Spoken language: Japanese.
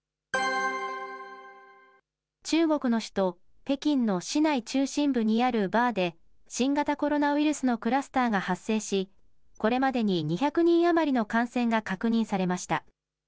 中国の首都北京の市内中心部にあるバーで、新型コロナウイルスのクラスターが発生し、これまでに２００人余りの感染が確認されました。